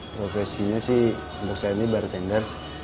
profesinya sih untuk saya ini bartender